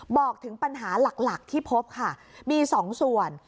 บอกถึงปัญหาหลักที่พบค่ะมี๒ส่วน